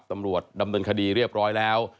ตำรวจดำเนินคดีเรียบร้อยแล้ว